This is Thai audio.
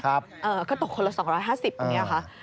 ก็ตกคนละ๒๕๐บาทอย่างนี้เหรอคะ